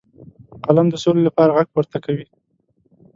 قلم د سولې لپاره غږ پورته کوي